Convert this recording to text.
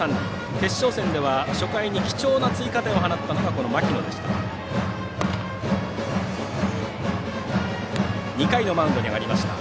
決勝戦では初回に貴重な追加点を放ったのがこの牧野でした。